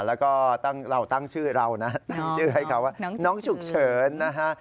แล้วก็เราตั้งชื่อเรานะตั้งชื่อให้เขาว่าน้องฉุกเฉินนะฮะ